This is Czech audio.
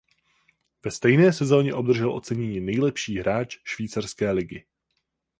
Ve stejné sezóně obdržel ocenění „nejlepší hráč švýcarské ligy“.